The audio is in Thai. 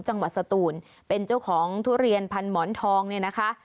สตูนเป็นเจ้าของทุเรียนพันหมอนทองเนี่ยนะคะ